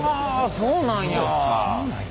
そうなんや。